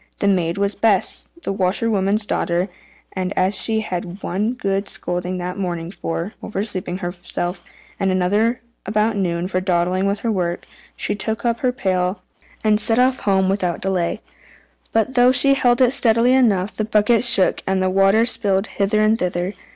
The maid was Bess, the washerwoman's daughter; and as she had had one good scolding that morning for oversleeping herself, and another about noon for dawdling with her work, she took up the pail and set off home without delay. But though she held it steadily enough, the bucket shook, and the water spilled hither and thither.